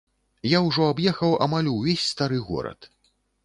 Я ўжо аб'ехаў амаль увесь стары горад.